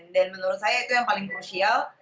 dan menurut saya itu yang paling fungsial